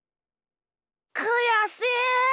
くやしい。